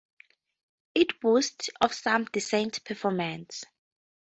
It boasts of some decent performances.